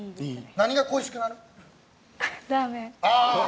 何が恋しくなる？